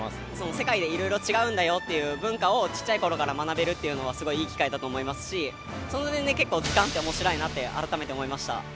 世界で色々違うんだよっていう文化をちっちゃい頃から学べるっていうのはすごいいい機会だと思いますしその点で結構図鑑って面白いなって改めて思いました。